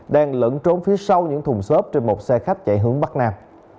đang lẫn trốn phía sau những thùng xốp trên một xe khách chạy hướng bắc nam